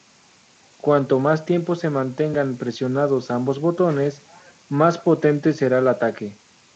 Cuanto más tiempo se mantengan presionados ambos botones, más potente será el ataque.